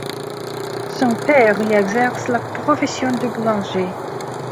Son père y exerce la profession de boulanger.